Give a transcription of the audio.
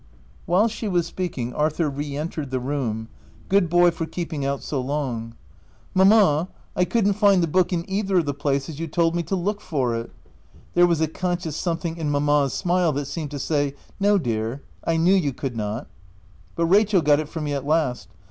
While she was speaking, Arthur re entered the room— good boy for keeping out so long. OP WILDFELL HALL. 335 ci Mamma, I could'nt find the book in either of the places you told me to look for it," (there was a conscious something in mamma's smile that seemed to say, fl No, dear, I knew you could not,") " but Rachel got it for me at last.